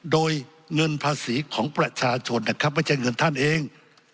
โดยเงินภาษีของประชาชนนะครับไม่ใช่เงินท่านเอง